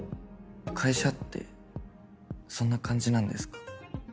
会社ってそんな感じなんですか？